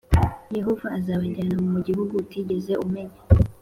Yehova azabajyana mu gihugu utigeze umenya,